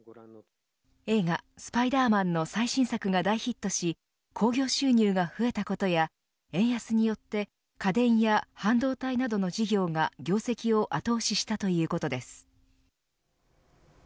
映画スパイダーマンの最新作が大ヒットし興行収入が増えたことや円安によって家電や半導体などの事業が業績を後押ししたということです。